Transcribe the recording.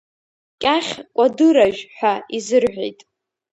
Кьахь кәадыражә, ҳәа изырҳәеит.